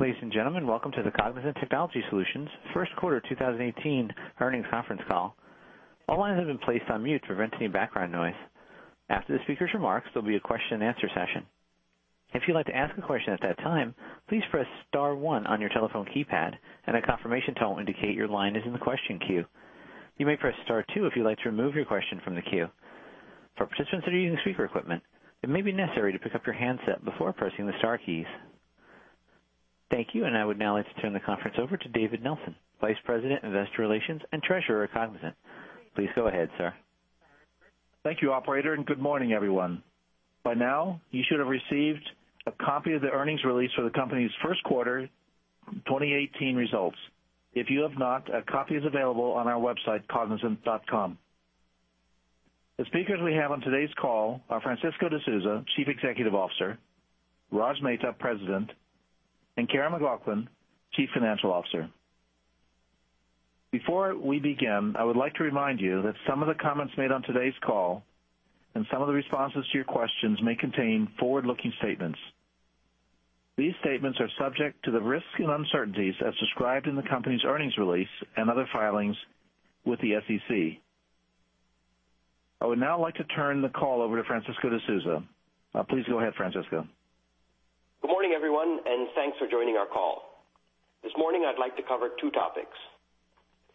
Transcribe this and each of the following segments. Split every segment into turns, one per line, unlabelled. Ladies and gentlemen, welcome to the Cognizant Technology Solutions first quarter 2018 earnings conference call. All lines have been placed on mute to prevent any background noise. After the speaker's remarks, there will be a question and answer session. If you would like to ask a question at that time, please press star one on your telephone keypad and a confirmation tone will indicate your line is in the question queue. You may press star two if you would like to remove your question from the queue. For participants that are using speaker equipment, it may be necessary to pick up your handset before pressing the star keys. Thank you, and I would now like to turn the conference over to David Nelson, Vice President, Investor Relations and Treasurer at Cognizant. Please go ahead, sir.
Thank you, operator. Good morning, everyone. By now, you should have received a copy of the earnings release for the company's first quarter 2018 results. If you have not, a copy is available on our website, cognizant.com. The speakers we have on today's call are Francisco D'Souza, Chief Executive Officer, Rajeev Mehta, President, and Karen McLoughlin, Chief Financial Officer. Before we begin, I would like to remind you that some of the comments made on today's call and some of the responses to your questions may contain forward-looking statements. These statements are subject to the risks and uncertainties as described in the company's earnings release and other filings with the SEC. I would now like to turn the call over to Francisco D'Souza. Please go ahead, Francisco.
Good morning, everyone. Thanks for joining our call. This morning, I would like to cover two topics.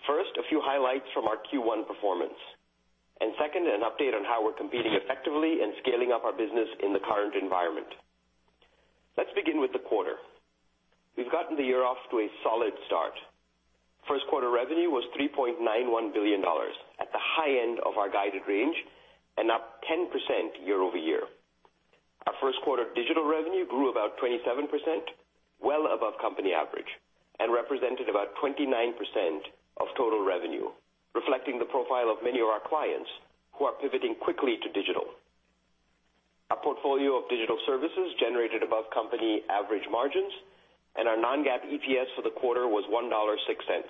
First, a few highlights from our Q1 performance. Second, an update on how we are competing effectively and scaling up our business in the current environment. Let's begin with the quarter. We have gotten the year off to a solid start. First quarter revenue was $3.91 billion, at the high end of our guided range and up 10% year-over-year. Our first quarter digital revenue grew about 27%, well above company average, and represented about 29% of total revenue, reflecting the profile of many of our clients who are pivoting quickly to digital. Our portfolio of digital services generated above company average margins, and our non-GAAP EPS for the quarter was $1.06.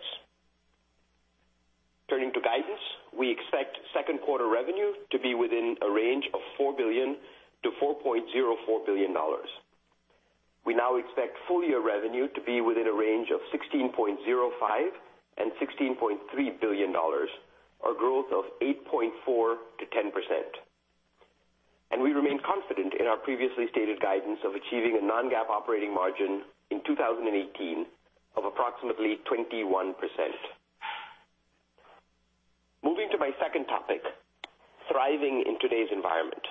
Turning to guidance, we expect second quarter revenue to be within a range of $4 billion to $4.04 billion. We now expect full-year revenue to be within a range of $16.05 billion to $16.3 billion, a growth of 8.4%-10%. We remain confident in our previously stated guidance of achieving a non-GAAP operating margin in 2018 of approximately 21%. Moving to my second topic, thriving in today's environment.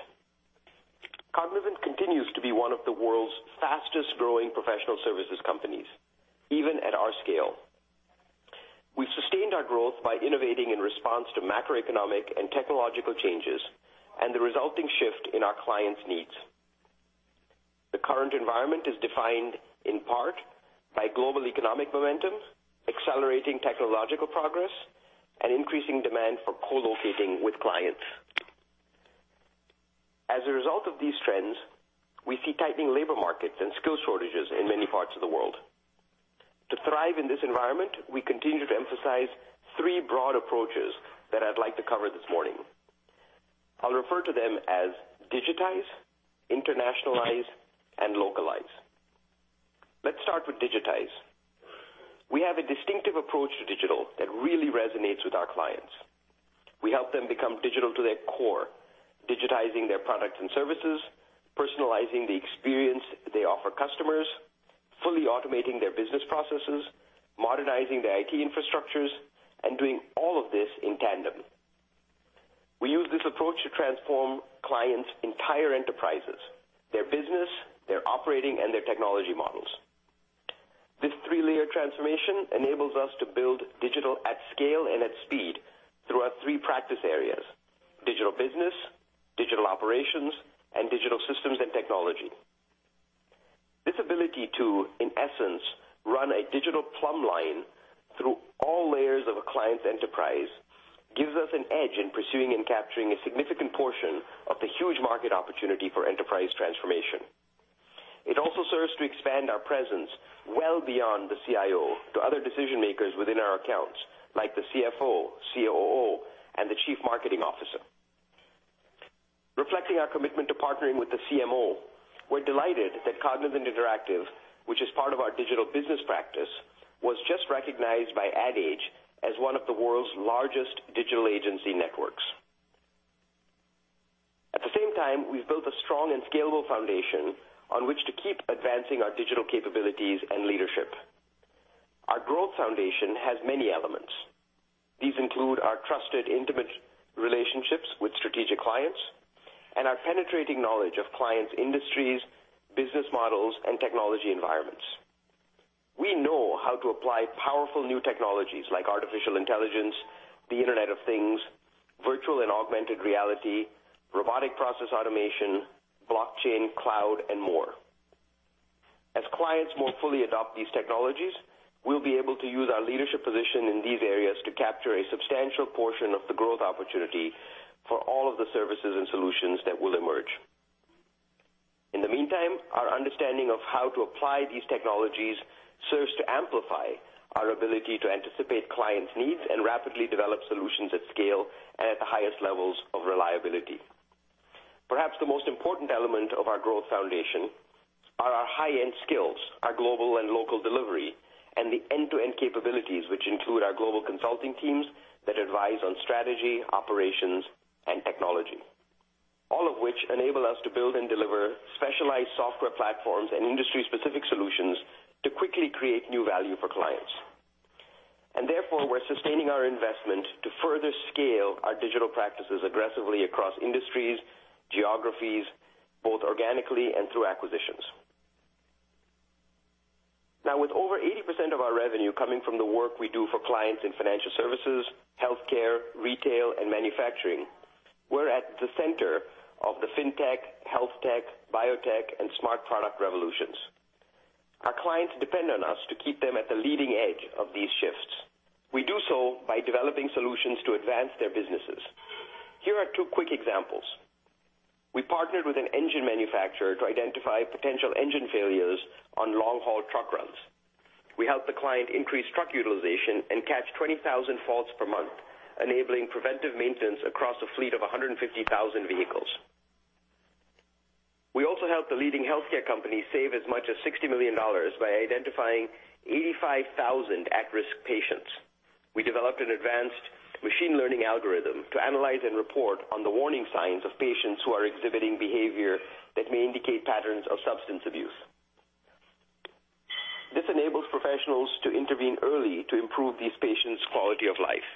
Cognizant continues to be one of the world's fastest-growing professional services companies, even at our scale. We have sustained our growth by innovating in response to macroeconomic and technological changes and the resulting shift in our clients' needs. The current environment is defined in part by global economic momentum, accelerating technological progress, and increasing demand for co-locating with clients. As a result of these trends, we see tightening labor markets and skill shortages in many parts of the world. To thrive in this environment, we continue to emphasize three broad approaches that I would like to cover this morning. I'll refer to them as digitize, internationalize, and localize. Let's start with digitize. We have a distinctive approach to digital that really resonates with our clients. We help them become digital to their core, digitizing their products and services, personalizing the experience they offer customers, fully automating their business processes, modernizing their IT infrastructures, and doing all of this in tandem. We use this approach to transform clients' entire enterprises, their business, their operating, and their technology models. This three-layer transformation enables us to build digital at scale and at speed throughout three practice areas, digital business, digital operations, and digital systems and technology. This ability to, in essence, run a digital plumb line through all layers of a client's enterprise gives us an edge in pursuing and capturing a significant portion of the huge market opportunity for enterprise transformation. It also serves to expand our presence well beyond the CIO to other decision-makers within our accounts, like the CFO, COO, and the Chief Marketing Officer. Reflecting our commitment to partnering with the CMO, we're delighted that Cognizant Interactive, which is part of our digital business practice, was just recognized by AdAge as one of the world's largest digital agency networks. At the same time, we've built a strong and scalable foundation on which to keep advancing our digital capabilities and leadership. Our growth foundation has many elements. These include our trusted, intimate relationships with strategic clients and our penetrating knowledge of clients' industries, business models, and technology environments. We know how to apply powerful new technologies like artificial intelligence, the Internet of Things, virtual and augmented reality, robotic process automation, blockchain, cloud, and more. As clients more fully adopt these technologies, we'll be able to use our leadership position in these areas to capture a substantial portion of the growth opportunity for all of the services and solutions that will emerge. In the meantime, our understanding of how to apply these technologies serves to amplify our ability to anticipate clients' needs and rapidly develop solutions at scale and at the highest levels of reliability. Perhaps the most important element of our growth foundation are our high-end skills, our global and local delivery, and the end-to-end capabilities, which include our global consulting teams that advise on strategy, operations, and technology. All of which enable us to build and deliver specialized software platforms and industry-specific solutions to quickly create new value for clients. Therefore, we're sustaining our investment to further scale our digital practices aggressively across industries, geographies, both organically and through acquisitions. Now, with over 80% of our revenue coming from the work we do for clients in financial services, healthcare, retail, and manufacturing, we're at the center of the fintech, healthtech, biotech, and smart product revolutions. Our clients depend on us to keep them at the leading edge of these shifts. We do so by developing solutions to advance their businesses. Here are two quick examples. We partnered with an engine manufacturer to identify potential engine failures on long-haul truck runs. We helped the client increase truck utilization and catch 20,000 faults per month, enabling preventive maintenance across a fleet of 150,000 vehicles. We also helped a leading healthcare company save as much as $60 million by identifying 85,000 at-risk patients. We developed an advanced machine learning algorithm to analyze and report on the warning signs of patients who are exhibiting behavior that may indicate patterns of substance abuse. This enables professionals to intervene early to improve these patients' quality of life.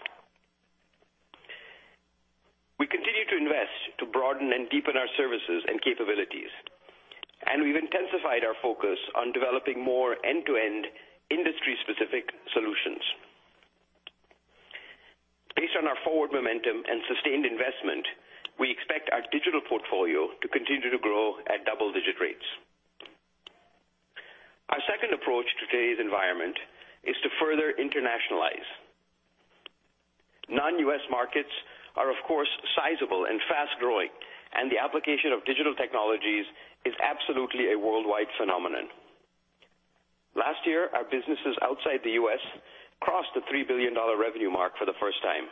We continue to invest to broaden and deepen our services and capabilities, and we've intensified our focus on developing more end-to-end industry-specific solutions. Based on our forward momentum and sustained investment, we expect our digital portfolio to continue to grow at double-digit rates. Our second approach to today's environment is to further internationalize. Non-U.S. markets are, of course, sizable and fast-growing, and the application of digital technologies is absolutely a worldwide phenomenon. Last year, our businesses outside the U.S. crossed the $3 billion revenue mark for the first time.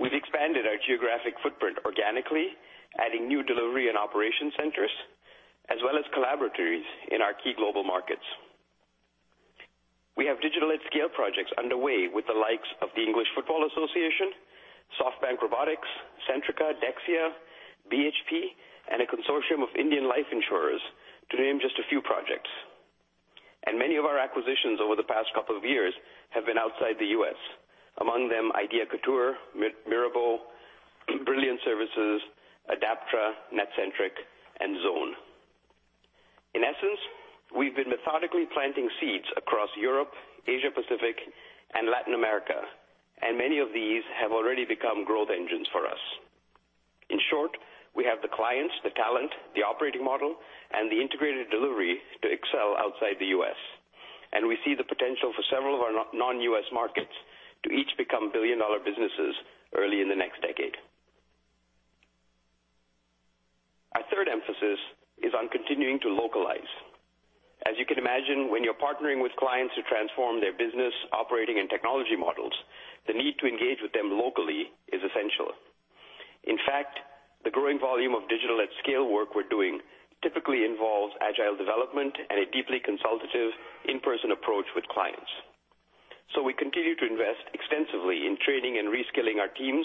We've expanded our geographic footprint organically, adding new delivery and operation centers, as well as Collaboratories in our key global markets. We have digital at scale projects underway with the likes of The Football Association, SoftBank Robotics, Centrica, Dexia, BHP, and a consortium of Indian life insurers to name just a few projects. Many of our acquisitions over the past couple of years have been outside the U.S. Among them, Idea Couture, Mirabeau, Brilliant Service, Adaptra, Netcentric, and Zone. In essence, we've been methodically planting seeds across Europe, Asia Pacific, and Latin America, and many of these have already become growth engines for us. In short, we have the clients, the talent, the operating model, and the integrated delivery to excel outside the U.S., and we see the potential for several of our non-U.S. markets to each become billion-dollar businesses early in the next decade. Our third emphasis is on continuing to localize. As you can imagine, when you're partnering with clients to transform their business operating and technology models, the need to engage with them locally is essential. In fact, the growing volume of digital at scale work we're doing typically involves agile development and a deeply consultative in-person approach with clients. We continue to invest extensively in training and reskilling our teams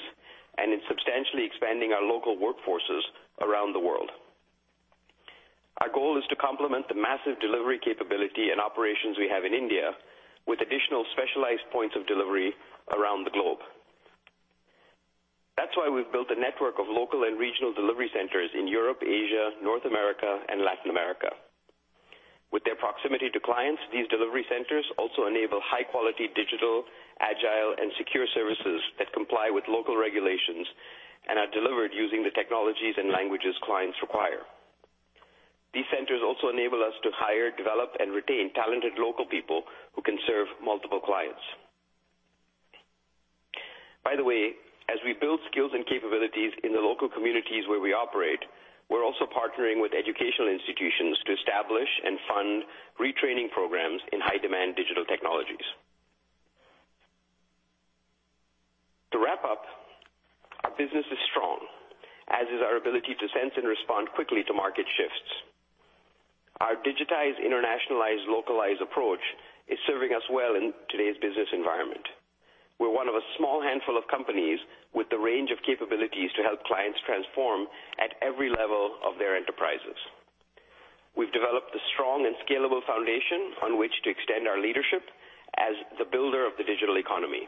and in substantially expanding our local workforces around the world. Our goal is to complement the massive delivery capability and operations we have in India with additional specialized points of delivery around the globe. That's why we've built a network of local and regional delivery centers in Europe, Asia, North America, and Latin America. With their proximity to clients, these delivery centers also enable high-quality digital, agile, and secure services that comply with local regulations and are delivered using the technologies and languages clients require. These centers also enable us to hire, develop, and retain talented local people who can serve multiple clients. By the way, as we build skills and capabilities in the local communities where we operate, we're also partnering with educational institutions to establish and fund retraining programs in high-demand digital technologies. To wrap up, our business is strong, as is our ability to sense and respond quickly to market shifts. Our digitized, internationalized, localized approach is serving us well in today's business environment. We're one of a small handful of companies with the range of capabilities to help clients transform at every level of their enterprises. We've developed a strong and scalable foundation on which to extend our leadership as the builder of the digital economy,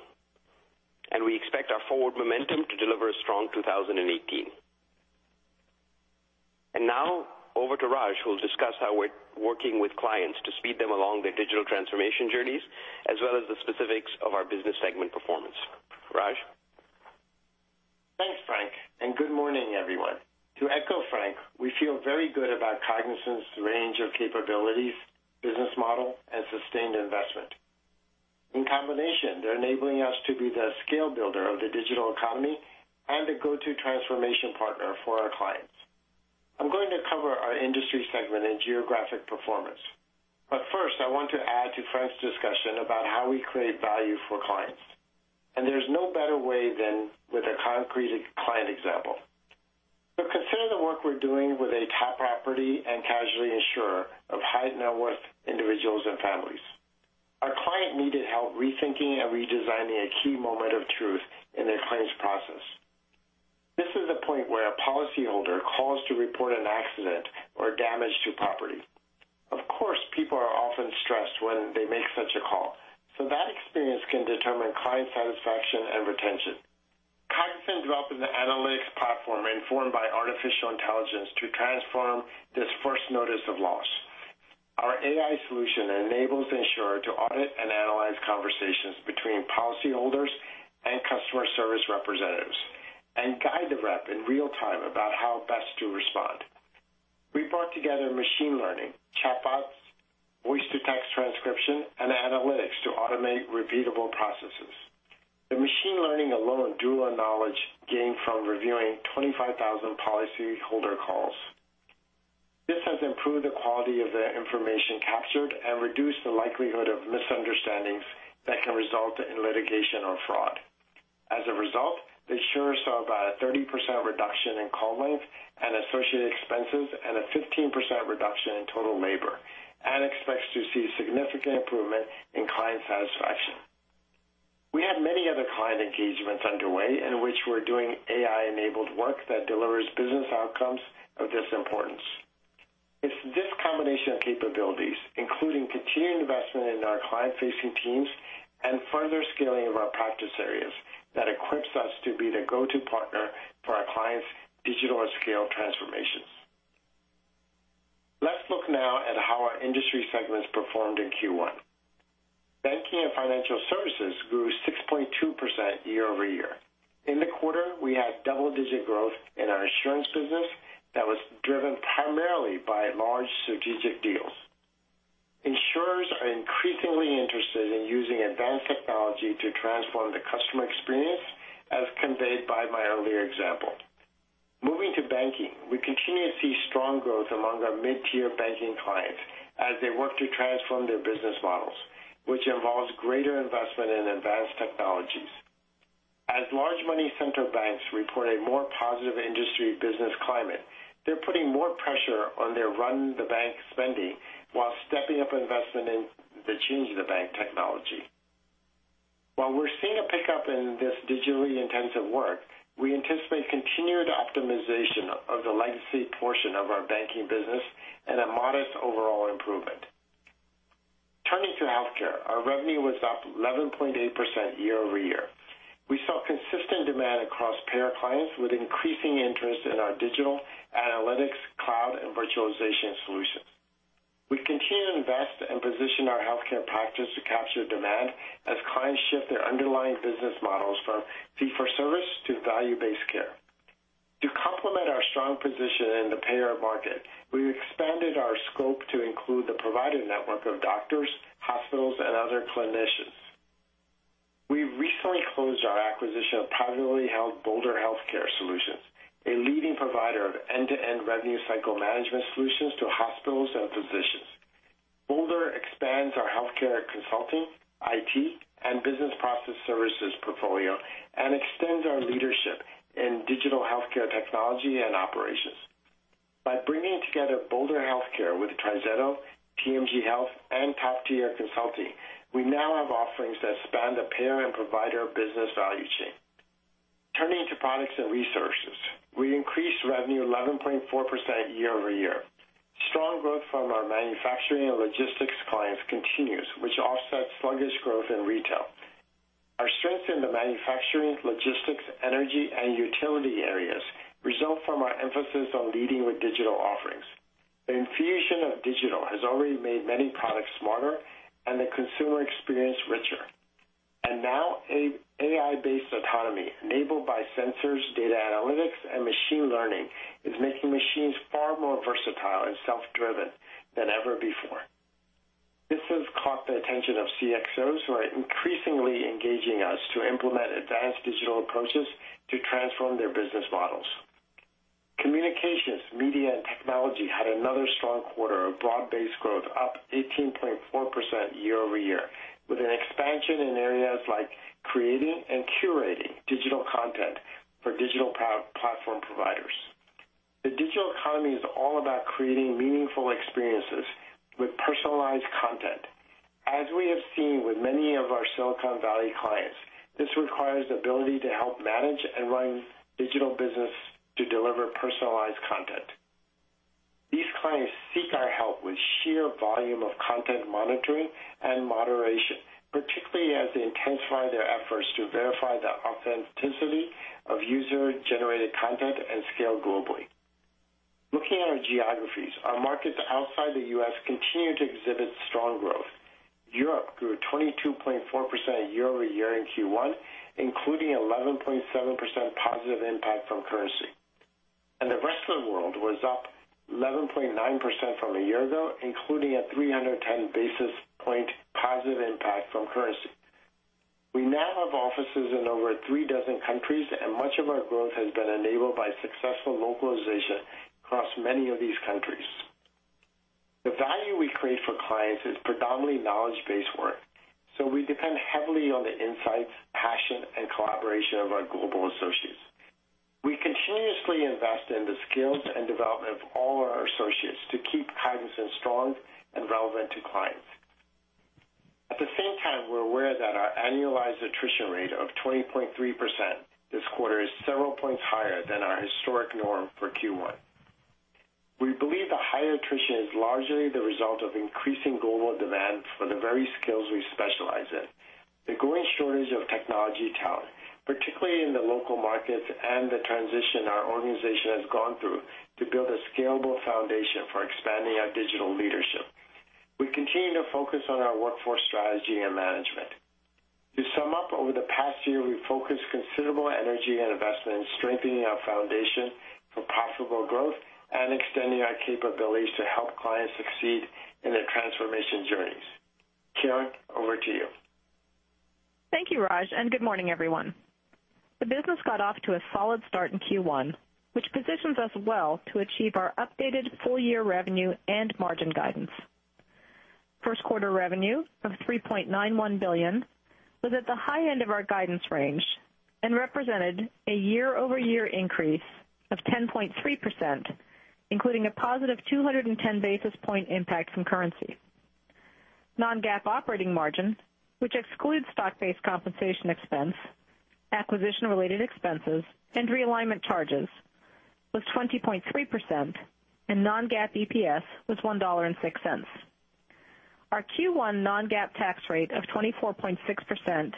and we expect our forward momentum to deliver a strong 2018. Now, over to Raj, who will discuss how we're working with clients to speed them along their digital transformation journeys, as well as the specifics of our business segment performance. Raj?
Thanks, Frank, and good morning, everyone. To echo Frank, we feel very good about Cognizant's range of capabilities, business model, and sustained investment. In combination, they're enabling us to be the scale builder of the digital economy and a go-to transformation partner for our clients. I'm going to cover our industry segment and geographic performance. First, I want to add to Frank's discussion about how we create value for clients. There's no better way than with a concrete client example. Consider the work we're doing with a top property and casualty insurer of high net worth individuals and families. Our client needed help rethinking and redesigning a key moment of truth in their claims process. This is a point where a policyholder calls to report an accident or damage to property. Of course, people are often stressed when they make such a call, that experience can determine client satisfaction and retention. Cognizant developed an analytics platform informed by artificial intelligence to transform this first notice of loss. Our AI solution enables the insurer to audit and analyze conversations between policyholders and customer service representatives and guide the rep in real time about how best to respond. We brought together machine learning, chatbots, voice-to-text transcription, and analytics to automate repeatable processes. The machine learning alone drew on knowledge gained from reviewing 25,000 policyholder calls. This has improved the quality of the information captured and reduced the likelihood of misunderstandings that can result in litigation or fraud. As a result, the insurer saw about a 30% reduction in call length and associated expenses and a 15% reduction in total labor and expects to see significant improvement in client satisfaction. We have many other client engagements underway in which we're doing AI-enabled work that delivers business outcomes of this importance. It's this combination of capabilities, including continuing investment in our client-facing teams and further scaling of our practice areas, that equips us to be the go-to partner for our clients' digital and scale transformations. Let's look now at how our industry segments performed in Q1. Banking and financial services grew 6.2% year-over-year. In the quarter, we had double-digit growth in our insurance business that was driven primarily by large strategic deals. Insurers are increasingly interested in using advanced technology to transform the customer experience, as conveyed by my earlier example. Moving to banking, we continue to see strong growth among our mid-tier banking clients as they work to transform their business models, which involves greater investment in advanced technologies. As large money center banks report a more positive industry business climate, they're putting more pressure on their run the bank spending while stepping up investment in the change-the-bank technology. While we're seeing a pickup in this digitally intensive work, we anticipate continued optimization of the legacy portion of our banking business and a modest overall improvement. Turning to healthcare, our revenue was up 11.8% year-over-year. We saw consistent demand across payer clients with increasing interest in our digital analytics, cloud, and virtualization solutions. We continue to invest and position our healthcare practice to capture demand as clients shift their underlying business models from fee-for-service to value-based care. To complement our strong position in the payer market, we've expanded our scope to include the provider network of doctors, hospitals, and other clinicians. We recently closed our acquisition of privately held Bolder Healthcare Solutions, a leading provider of end-to-end revenue cycle management solutions to hospitals and physicians. Bolder expands our healthcare consulting, IT, and business process services portfolio and extends our leadership in digital healthcare technology and operations. By bringing together Bolder Healthcare with TriZetto, TMG Health, and Top Tier Consulting, we now have offerings that span the payer and provider business value chain. Turning to products and resources, we increased revenue 11.4% year-over-year. Strong growth from our manufacturing and logistics clients continues, which offsets sluggish growth in retail. Our strength in the manufacturing, logistics, energy, and utility areas result from our emphasis on leading with digital offerings. The infusion of digital has already made many products smarter and the consumer experience richer. Now AI-based autonomy enabled by sensors, data analytics, and machine learning is making machines far more versatile and self-driven than ever before. This has caught the attention of CXOs who are increasingly engaging us to implement advanced digital approaches to transform their business models. Communications, media, and technology had another strong quarter of broad-based growth, up 18.4% year-over-year, with an expansion in areas like creating and curating digital content for digital platform providers. The digital economy is all about creating meaningful experiences with personalized content. As we have seen with many of our Silicon Valley clients, this requires the ability to help manage and run digital business to deliver personalized content. These clients seek our help with sheer volume of content monitoring and moderation, particularly as they intensify their efforts to verify the authenticity of user-generated content and scale globally. Looking at our geographies, our markets outside the U.S. continue to exhibit strong growth. Europe grew 22.4% year-over-year in Q1, including 11.7% positive impact from currency. The rest of the world was up 11.9% from a year ago, including a 310 basis point positive impact from currency. We now have offices in over three dozen countries, and much of our growth has been enabled by successful localization across many of these countries. The value we create for clients is predominantly knowledge-based work, so we depend heavily on the insights, passion, and collaboration of our global associates. We continuously invest in the skills and development of all our associates to keep guidance strong and relevant to clients. At the same time, we're aware that our annualized attrition rate of 20.3% this quarter is several points higher than our historic norm for Q1. We believe the high attrition is largely the result of increasing global demand for the very skills we specialize in. The growing shortage of technology talent, particularly in the local markets, and the transition our organization has gone through to build a scalable foundation for expanding our digital leadership. We continue to focus on our workforce strategy and management. To sum up, over the past year, we've focused considerable energy and investment in strengthening our foundation for profitable growth and extending our capabilities to help clients succeed in their transformation journeys. Karen, over to you.
Thank you, Raj, and good morning, everyone. The business got off to a solid start in Q1, which positions us well to achieve our updated full-year revenue and margin guidance. First quarter revenue of $3.91 billion was at the high end of our guidance range and represented a year-over-year increase of 10.3%, including a positive 210 basis point impact from currency. Non-GAAP operating margin, which excludes stock-based compensation expense, acquisition related expenses, and realignment charges, was 20.3% and non-GAAP EPS was $1.06. Our Q1 non-GAAP tax rate of 24.6%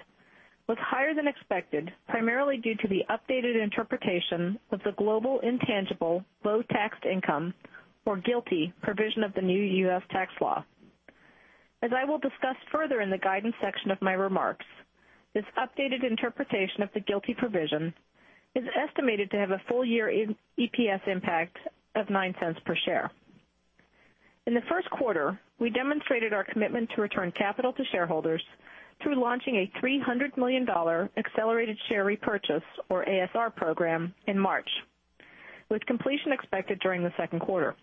was higher than expected, primarily due to the updated interpretation of the Global Intangible Low-Taxed Income, or GILTI, provision of the new U.S. tax law. As I will discuss further in the guidance section of my remarks, this updated interpretation of the GILTI provision is estimated to have a full-year EPS impact of $0.09 per share. In the first quarter, we demonstrated our commitment to return capital to shareholders through launching a $300 million accelerated share repurchase, or ASR program, in March, with completion expected during the second quarter.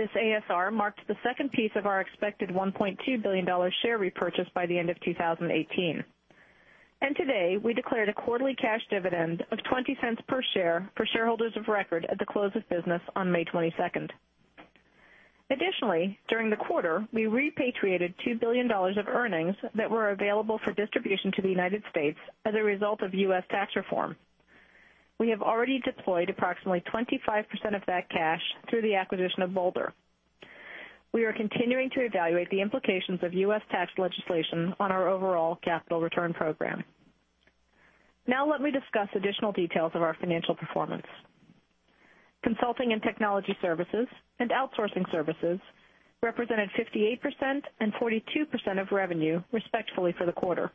This ASR marks the second piece of our expected $1.2 billion share repurchase by the end of 2018. Today, we declared a quarterly cash dividend of $0.20 per share for shareholders of record at the close of business on May 22nd. Additionally, during the quarter, we repatriated $2 billion of earnings that were available for distribution to the United States as a result of U.S. tax reform. We have already deployed approximately 25% of that cash through the acquisition of Bolder. We are continuing to evaluate the implications of U.S. tax legislation on our overall capital return program. Let me discuss additional details of our financial performance. Consulting and technology services and outsourcing services represented 58% and 42% of revenue, respectively, for the quarter.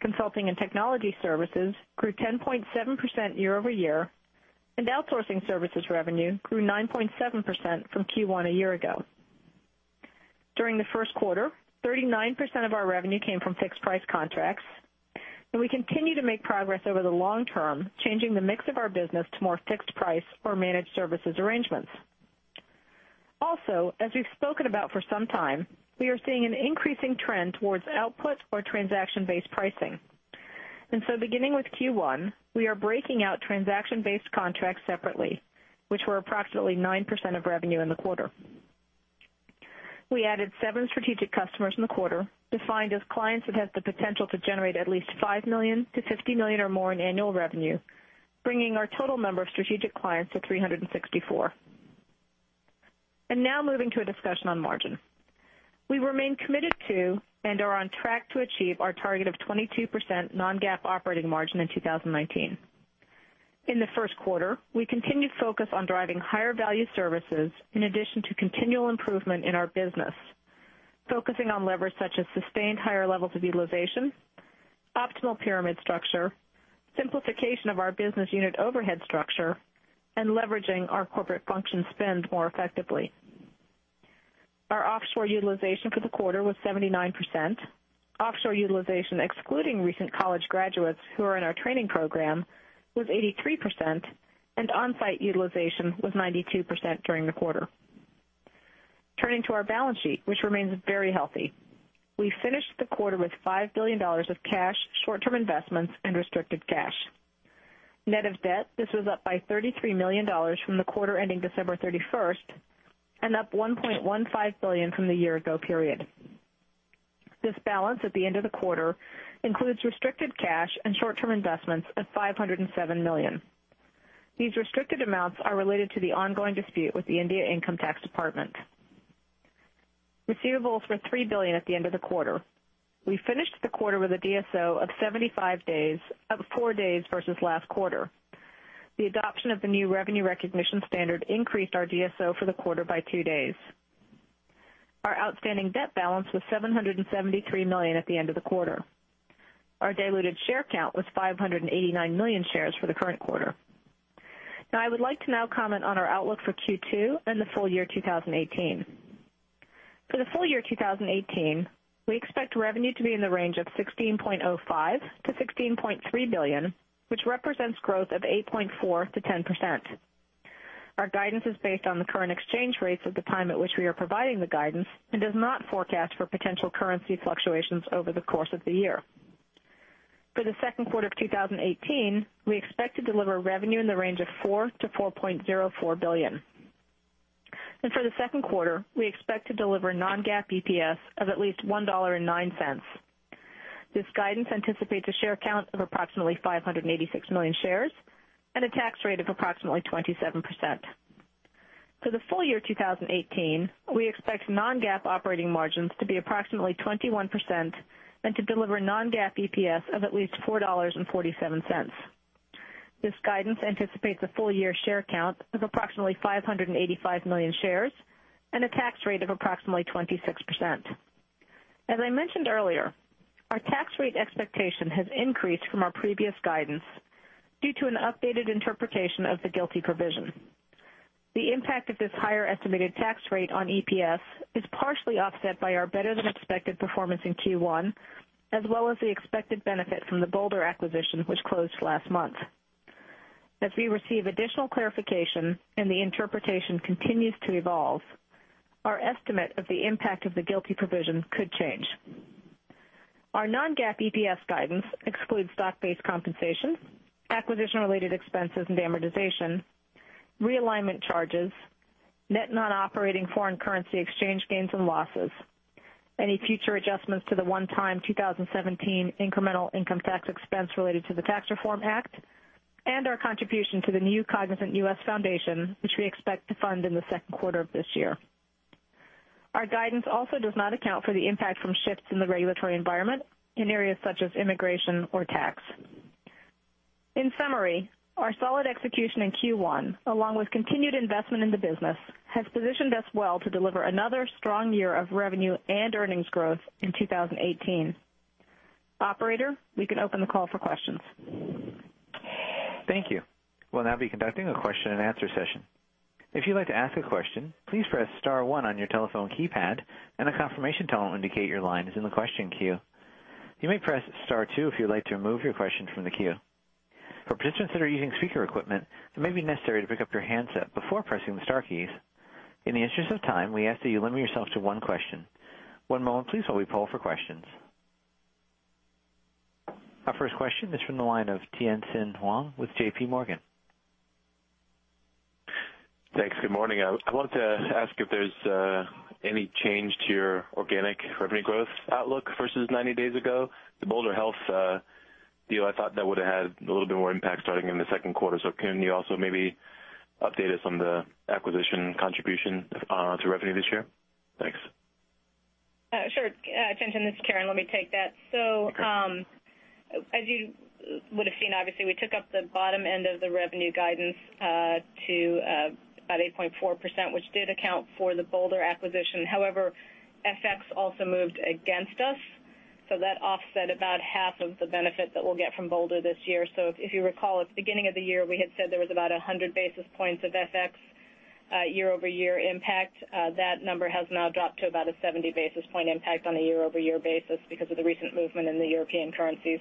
Consulting and technology services grew 10.7% year-over-year, outsourcing services revenue grew 9.7% from Q1 a year ago. During the first quarter, 39% of our revenue came from fixed price contracts, we continue to make progress over the long term, changing the mix of our business to more fixed price or managed services arrangements. As we've spoken about for some time, we are seeing an increasing trend towards output or transaction-based pricing. Beginning with Q1, we are breaking out transaction-based contracts separately, which were approximately 9% of revenue in the quarter. We added seven strategic customers in the quarter, defined as clients that have the potential to generate at least $5 million-$50 million or more in annual revenue, bringing our total number of strategic clients to 364. Now moving to a discussion on margin. We remain committed to and are on track to achieve our target of 22% non-GAAP operating margin in 2019. In the first quarter, we continued focus on driving higher value services in addition to continual improvement in our business, focusing on levers such as sustained higher levels of utilization, optimal pyramid structure, simplification of our business unit overhead structure, and leveraging our corporate function spend more effectively. Our offshore utilization for the quarter was 79%. Offshore utilization, excluding recent college graduates who are in our training program, was 83%, and on-site utilization was 92% during the quarter. Turning to our balance sheet, which remains very healthy. We finished the quarter with $5 billion of cash, short-term investments, and restricted cash. Net of debt, this was up by $33 million from the quarter ending December 31st and up $1.15 billion from the year ago period. This balance at the end of the quarter includes restricted cash and short-term investments of $507 million. These restricted amounts are related to the ongoing dispute with the India Income Tax Department. Receivables were $3 billion at the end of the quarter. We finished the quarter with a DSO of 75 days versus last quarter. The adoption of the new revenue recognition standard increased our DSO for the quarter by two days. Our outstanding debt balance was $773 million at the end of the quarter. Our diluted share count was 589 million shares for the current quarter. I would like to comment on our outlook for Q2 and the full year 2018. For the full year 2018, we expect revenue to be in the range of $16.05 billion-$16.3 billion, which represents growth of 8.4%-10%. Our guidance is based on the current exchange rates at the time at which we are providing the guidance and does not forecast for potential currency fluctuations over the course of the year. For the second quarter of 2018, we expect to deliver revenue in the range of four to $4.04 billion. For the second quarter, we expect to deliver non-GAAP EPS of at least $1.09. This guidance anticipates a share count of approximately 586 million shares and a tax rate of approximately 27%. For the full year 2018, we expect non-GAAP operating margins to be approximately 21% and to deliver non-GAAP EPS of at least $4.47. This guidance anticipates a full-year share count of approximately 585 million shares and a tax rate of approximately 26%. As I mentioned earlier, our tax rate expectation has increased from our previous guidance due to an updated interpretation of the GILTI provision. The impact of this higher estimated tax rate on EPS is partially offset by our better-than-expected performance in Q1, as well as the expected benefit from the Bolder acquisition, which closed last month. As we receive additional clarification and the interpretation continues to evolve, our estimate of the impact of the GILTI provision could change. Our non-GAAP EPS guidance excludes stock-based compensation, acquisition-related expenses and amortization, realignment charges, net non-operating foreign currency exchange gains and losses, any future adjustments to the one-time 2017 incremental income tax expense related to the Tax Reform Act, and our contribution to the new Cognizant U.S. Foundation, which we expect to fund in the second quarter of this year. Our guidance also does not account for the impact from shifts in the regulatory environment in areas such as immigration or tax. In summary, our solid execution in Q1, along with continued investment in the business, has positioned us well to deliver another strong year of revenue and earnings growth in 2018. Operator, we can open the call for questions.
Thank you. We'll now be conducting a question and answer session. If you'd like to ask a question, please press *1 on your telephone keypad, and a confirmation tone will indicate your line is in the question queue. You may press *2 if you'd like to remove your question from the queue. For participants that are using speaker equipment, it may be necessary to pick up your handset before pressing the star keys. In the interest of time, we ask that you limit yourself to one question. One moment please while we poll for questions. Our first question is from the line of Tien-Tsin Huang with J.P. Morgan.
Thanks. Good morning. I wanted to ask if there's any change to your organic revenue growth outlook versus 90 days ago. The Bolder Health deal, I thought that would've had a little bit more impact starting in the second quarter. Can you also maybe update us on the acquisition contribution to revenue this year? Thanks.
Sure. Tien-Tsin, this is Karen. Let me take that.
Okay.
As you would've seen, obviously, we took up the bottom end of the revenue guidance to about 8.4%, which did account for the Bolder acquisition. However, FX also moved against us, so that offset about half of the benefit that we'll get from Bolder this year. If you recall, at the beginning of the year, we had said there was about 100 basis points of FX year-over-year impact. That number has now dropped to about a 70-basis-point impact on a year-over-year basis because of the recent movement in the European currencies.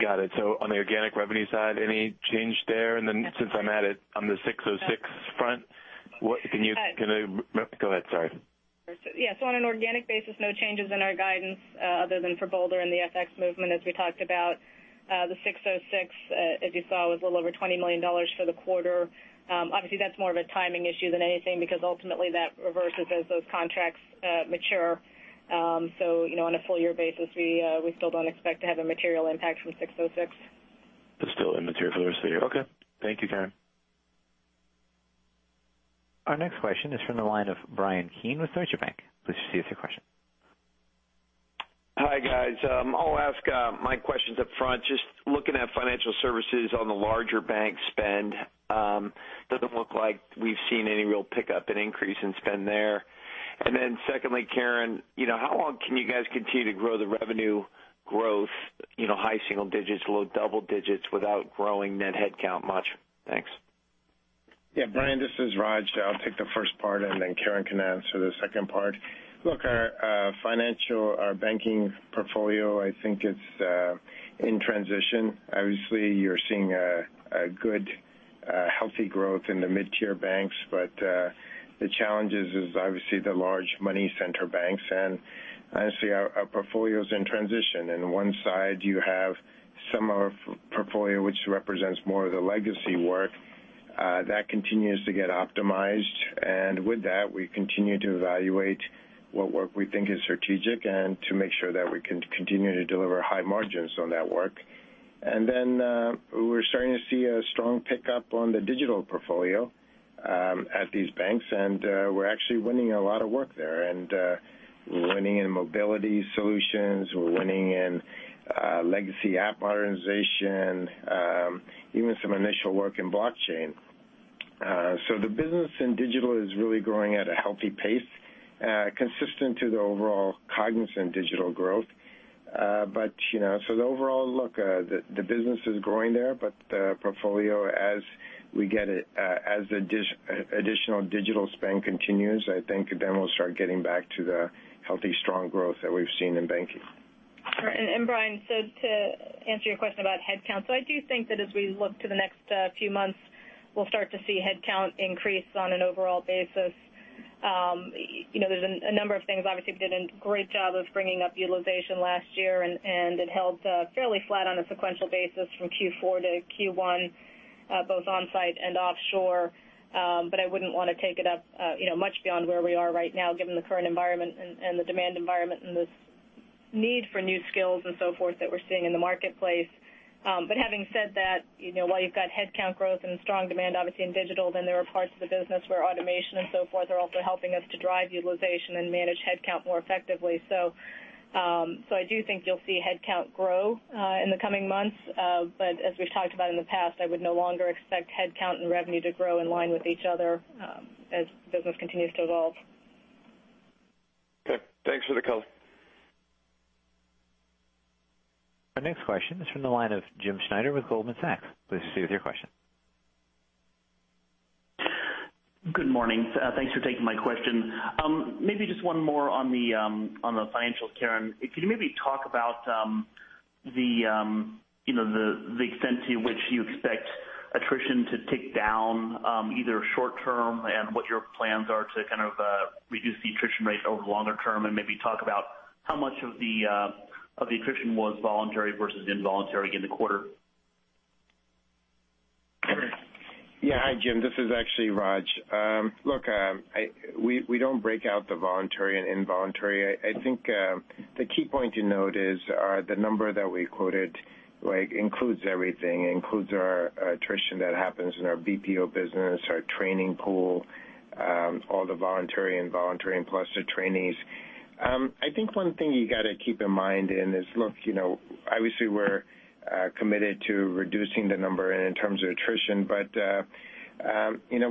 Got it. On the organic revenue side, any change there? Since I'm at it, on the 606 front, Go ahead, sorry.
Yeah. On an organic basis, no changes in our guidance other than for Bolder and the FX movement, as we talked about. The 606, as you saw, was a little over $20 million for the quarter. Obviously, that's more of a timing issue than anything because ultimately that reverses as those contracts mature. On a full year basis, we still don't expect to have a material impact from 606.
It's still immaterial for the rest of the year. Okay. Thank you, Karen.
Our next question is from the line of Bryan Keane with Deutsche Bank. Please proceed with your question.
Hi, guys. I'll ask my questions up front. Just looking at financial services on the larger bank spend, doesn't look like we've seen any real pickup and increase in spend there. Secondly, Karen, how long can you guys continue to grow the revenue growth, high single digits, low double digits, without growing net headcount much? Thanks.
Yeah. Bryan, this is Raj. I'll take the first part. Karen can answer the second part. Look, our banking portfolio, I think it's in transition. Obviously, you're seeing a good, healthy growth in the mid-tier banks. The challenge is obviously the large money center banks. Honestly, our portfolio's in transition. On one side, you have some of our portfolio which represents more of the legacy work. That continues to get optimized. With that, we continue to evaluate what work we think is strategic and to make sure that we can continue to deliver high margins on that work. We're starting to see a strong pickup on the digital portfolio at these banks. We're actually winning a lot of work there. We're winning in mobility solutions. We're winning in legacy app modernization. Even some initial work in blockchain. The business in digital is really growing at a healthy pace, consistent to the overall Cognizant digital growth. The overall look, the business is growing there, but the portfolio as we get it, as additional digital spend continues, I think then we'll start getting back to the healthy, strong growth that we've seen in banking.
All right. Bryan, to answer your question about headcount. I do think that as we look to the next few months, we'll start to see headcount increase on an overall basis. There's a number of things, obviously, we did a great job of bringing up utilization last year, and it held fairly flat on a sequential basis from Q4 to Q1, both on-site and offshore. I wouldn't want to take it up much beyond where we are right now, given the current environment and the demand environment and the need for new skills and so forth that we're seeing in the marketplace. Having said that, while you've got headcount growth and strong demand, obviously, in digital, there are parts of the business where automation and so forth are also helping us to drive utilization and manage headcount more effectively. I do think you'll see headcount grow in the coming months. As we've talked about in the past, I would no longer expect headcount and revenue to grow in line with each other as business continues to evolve.
Okay. Thanks for the color.
Our next question is from the line of James Schneider with Goldman Sachs. Please proceed with your question.
Good morning. Thanks for taking my question. Maybe just one more on the financials, Karen McLoughlin. Could you maybe talk about the extent to which you expect attrition to tick down, either short-term and what your plans are to kind of reduce the attrition rate over longer term, and maybe talk about how much of the attrition was voluntary versus involuntary in the quarter?
Hi, James, this is actually Rajeev. We don't break out the voluntary and involuntary. The key point to note is the number that we quoted includes everything. It includes our attrition that happens in our BPO business, our training pool, all the voluntary, involuntary, and plus the trainees. One thing you got to keep in mind is, obviously, we're committed to reducing the number in terms of attrition.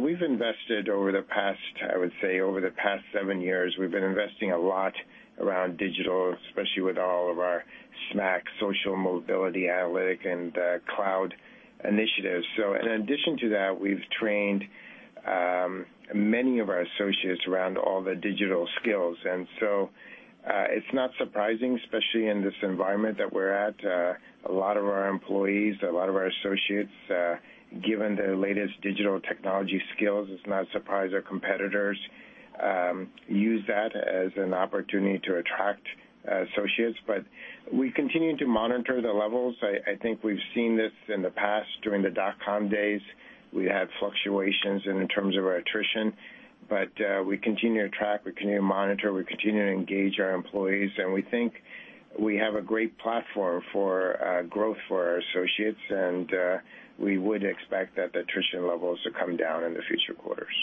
We've invested over the past, I would say, over the past seven years, we've been investing a lot around digital, especially with all of our SMAC, social mobility, analytic, and cloud initiatives. In addition to that, we've trained many of our associates around all the digital skills. It's not surprising, especially in this environment that we're at, a lot of our employees, a lot of our associates given the latest digital technology skills, it's not a surprise our competitors use that as an opportunity to attract associates. We continue to monitor the levels. We've seen this in the past during the dotcom days. We had fluctuations in terms of our attrition, but we continue to track, we continue to monitor, we continue to engage our employees, and we think we have a great platform for growth for our associates, and we would expect that the attrition levels to come down in the future quarters.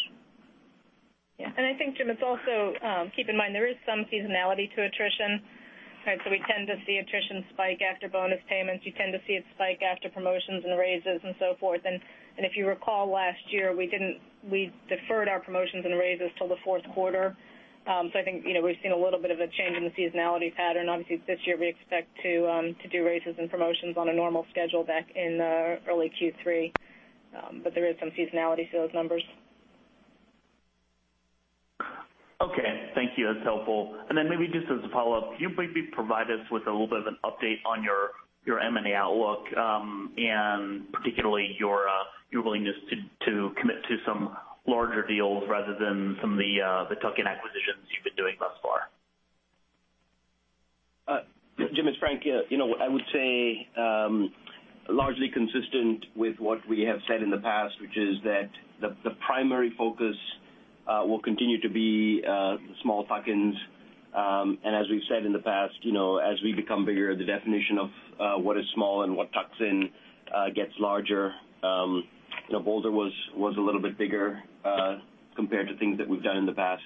James, it's also keep in mind, there is some seasonality to attrition. We tend to see attrition spike after bonus payments. You tend to see it spike after promotions and raises and so forth. If you recall, last year, we deferred our promotions and raises till the fourth quarter. We've seen a little bit of a change in the seasonality pattern. Obviously, this year, we expect to do raises and promotions on a normal schedule back in early Q3. There is some seasonality to those numbers.
Okay. Thank you. That's helpful. Maybe just as a follow-up, can you maybe provide us with a little bit of an update on your M&A outlook, and particularly your willingness to commit to some larger deals rather than some of the tuck-in acquisitions you've been doing thus far?
Jim, it's Frank. I would say, largely consistent with what we have said in the past, which is that the primary focus will continue to be small tuck-ins. As we've said in the past, as we become bigger, the definition of what is small and what tucks in gets larger. Bolder was a little bit bigger compared to things that we've done in the past.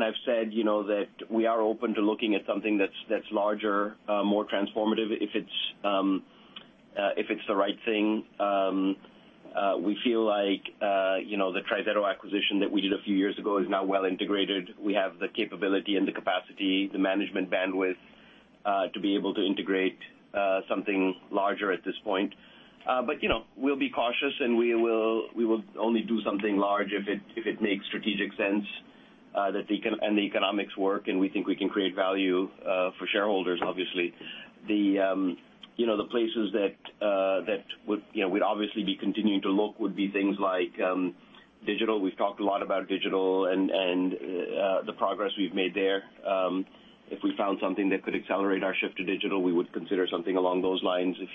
I've said that we are open to looking at something that's larger, more transformative if it's the right thing. We feel like the TriZetto acquisition that we did a few years ago is now well integrated. We have the capability and the capacity, the management bandwidth, to be able to integrate something larger at this point. We'll be cautious, we will only do something large if it makes strategic sense, the economics work, and we think we can create value for shareholders, obviously. The places that we'd obviously be continuing to look would be things like digital. We've talked a lot about digital and the progress we've made there. If we found something that could accelerate our shift to digital, we would consider something along those lines. If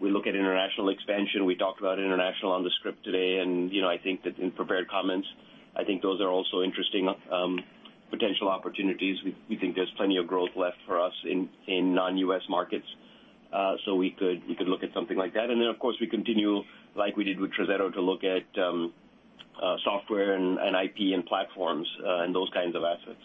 we look at international expansion, we talked about international on the script today, in prepared comments, I think those are also interesting potential opportunities. We think there's plenty of growth left for us in non-U.S. markets. We could look at something like that. Of course, we continue, like we did with TriZetto, to look at software and IP and platforms, and those kinds of assets.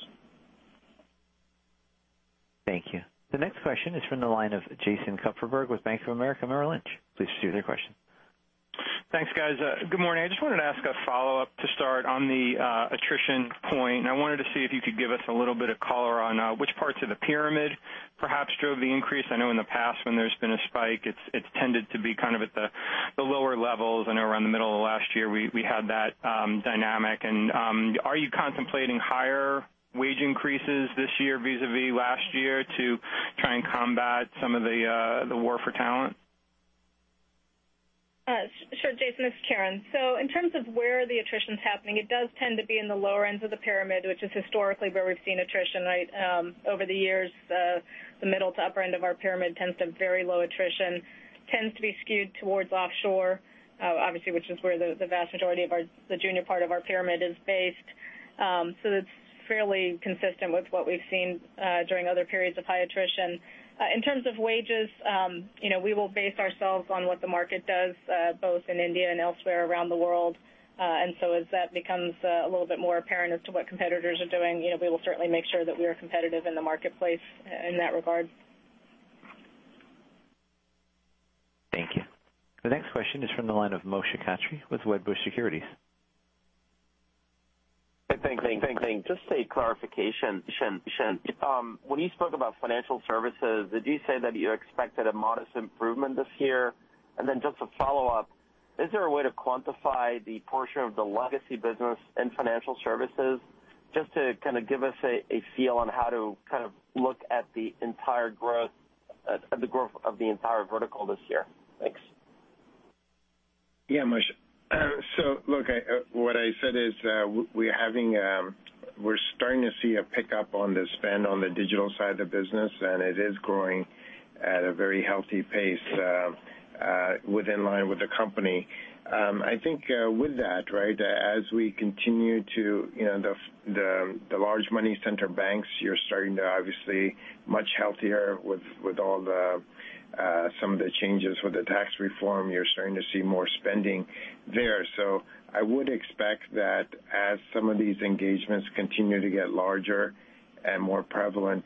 Thank you. The next question is from the line of Jason Kupferberg with Bank of America Merrill Lynch. Please proceed with your question.
Thanks, guys. Good morning. I just wanted to ask a follow-up to start on the attrition point, and I wanted to see if you could give us a little bit of color on which parts of the pyramid perhaps drove the increase. I know in the past when there's been a spike, it's tended to be at the lower levels. I know around the middle of last year, we had that dynamic. Are you contemplating higher wage increases this year vis-a-vis last year to try and combat some of the war for talent?
Sure, Jason. It's Karen. In terms of where the attrition's happening, it does tend to be in the lower ends of the pyramid, which is historically where we've seen attrition over the years. The middle to upper end of our pyramid tends to have very low attrition, tends to be skewed towards offshore, obviously, which is where the vast majority of the junior part of our pyramid is based. That's fairly consistent with what we've seen during other periods of high attrition. In terms of wages, we will base ourselves on what the market does both in India and elsewhere around the world. As that becomes a little bit more apparent as to what competitors are doing, we will certainly make sure that we are competitive in the marketplace in that regard.
Thank you. The next question is from the line of Moshe Katri with Wedbush Securities.
Thank you. Just a clarification. When you spoke about financial services, did you say that you expected a modest improvement this year? Just a follow-up, is there a way to quantify the portion of the legacy business in financial services, just to kind of give us a feel on how to look at the growth of the entire vertical this year? Thanks.
Yeah, Moshe. Look, what I said is we're starting to see a pickup on the spend on the digital side of the business, it is growing at a very healthy pace, with in line with the company. The large money center banks, you're starting to obviously much healthier with some of the changes with the tax reform. You're starting to see more spending there. I would expect that as some of these engagements continue to get larger and more prevalent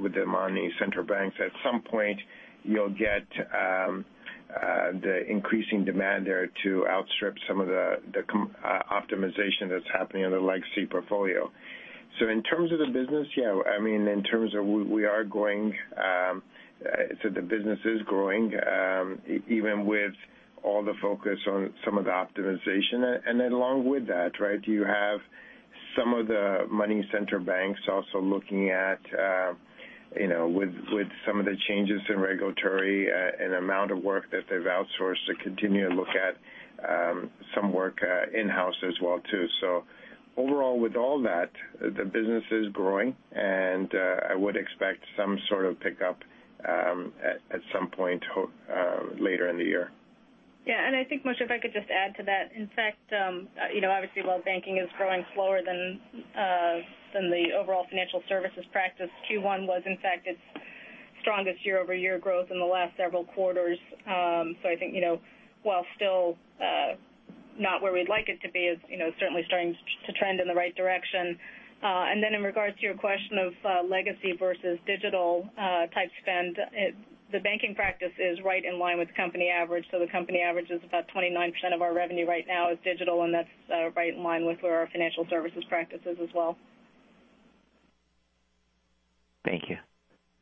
with the money center banks, at some point you'll get the increasing demand there to outstrip some of the optimization that's happening in the legacy portfolio. In terms of the business, yeah, we are growing. The business is growing, even with all the focus on some of the optimization. Along with that, you have some of the money center banks also looking at, with some of the changes in regulatory and amount of work that they've outsourced to continue to look at some work in-house as well too. Overall, with all that, the business is growing, I would expect some sort of pickup at some point later in the year.
I think, Moshe, if I could just add to that. In fact, obviously, while banking is growing slower than the overall financial services practice, Q1 was, in fact, its strongest year-over-year growth in the last several quarters. I think, while still not where we'd like it to be, it's certainly starting to trend in the right direction. In regards to your question of legacy versus digital type spend, the banking practice is right in line with the company average. The company average is about 29% of our revenue right now is digital, and that's right in line with where our financial services practice is as well.
Thank you.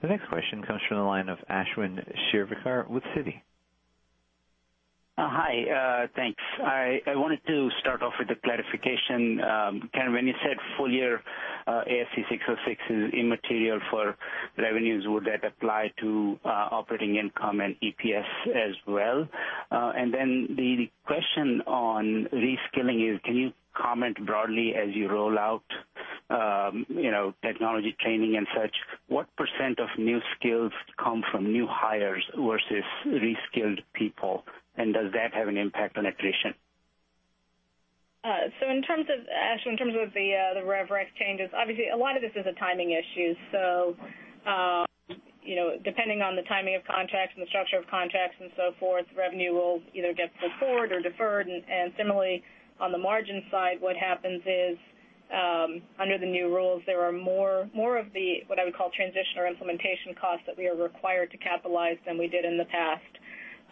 The next question comes from the line of Ashwin Shirvaikar with Citi.
Hi, thanks. I wanted to start off with a clarification. Karen, when you said full year ASC 606 is immaterial for revenues, would that apply to operating income and EPS as well? The question on reskilling is, can you comment broadly as you roll out technology training and such, what % of new skills come from new hires versus reskilled people? Does that have an impact on attrition?
Ashwin, in terms of the rev rec changes, obviously, a lot of this is a timing issue. Depending on the timing of contracts and the structure of contracts and so forth, revenue will either get pulled forward or deferred. Similarly, on the margin side, what happens is under the new rules, there are more of the, what I would call transition or implementation costs that we are required to capitalize than we did in the past.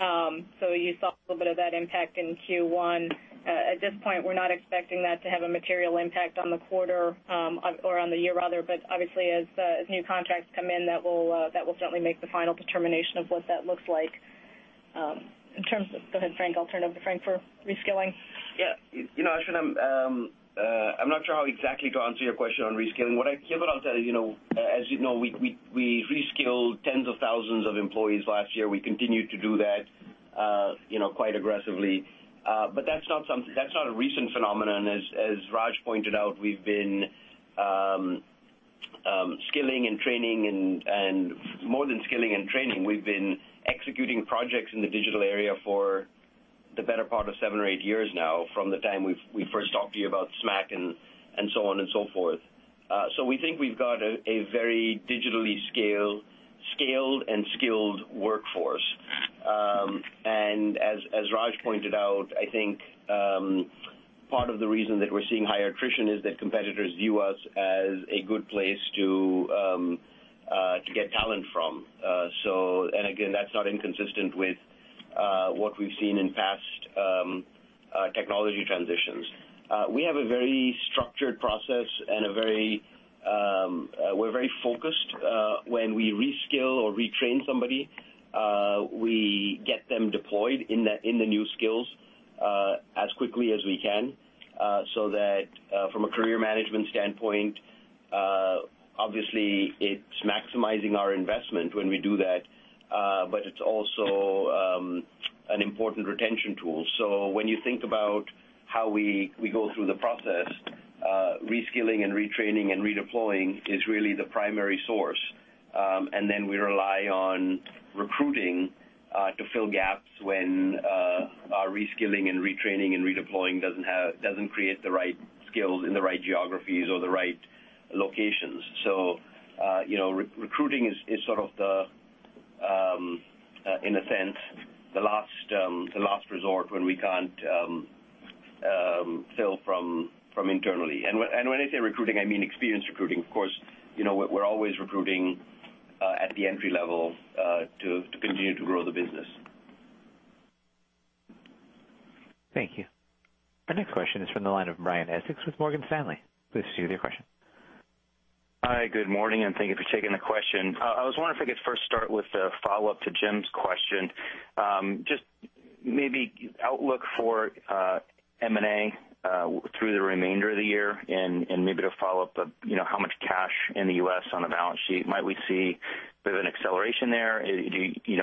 You saw a little bit of that impact in Q1. At this point, we're not expecting that to have a material impact on the quarter or on the year rather, but obviously as new contracts come in, that will certainly make the final determination of what that looks like. I'll turn it over to Frank for reskilling.
Ashwin, I'm not sure how exactly to answer your question on reskilling. What I can tell you, as you know, we reskilled tens of thousands of employees last year. We continued to do that quite aggressively. That's not a recent phenomenon. As Raj pointed out, we've been skilling and training and more than skilling and training, we've been executing projects in the digital area for the better part of seven or eight years now, from the time we first talked to you about SMAC and so on and so forth. We think we've got a very digitally scaled and skilled workforce. As Raj pointed out, I think part of the reason that we're seeing higher attrition is that competitors view us as a good place to get talent from. Again, that's not inconsistent with what we've seen in past technology transitions. We have a very structured process, we're very focused when we reskill or retrain somebody. We get them deployed in the new skills as quickly as we can, so that from a career management standpoint, obviously it's maximizing our investment when we do that, but it's also an important retention tool. When you think about how we go through the process, reskilling and retraining and redeploying is really the primary source. We rely on recruiting to fill gaps when our reskilling and retraining and redeploying doesn't create the right skills in the right geographies or the right locations. Recruiting is sort of, in a sense, the last resort when we can't fill from internally. When I say recruiting, I mean experienced recruiting. Of course, we're always recruiting at the entry-level to continue to grow the business.
Thank you. Our next question is from the line of Brian Essex with Morgan Stanley. Please proceed with your question.
Hi, good morning, and thank you for taking the question. I was wondering if I could first start with a follow-up to Jim's question. Just maybe outlook for M&A through the remainder of the year and maybe to follow up, how much cash in the U.S. on the balance sheet might we see? Bit of an acceleration there,